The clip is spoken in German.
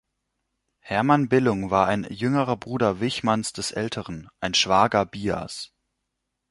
Hermann Billung war ein jüngerer Bruder Wichmanns des Älteren; ein Schwager Bias.